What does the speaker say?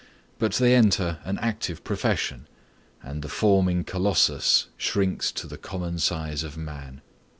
But they enter an active profession and the forming Colossus shrinks to the common size of man.